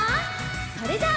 それじゃあ。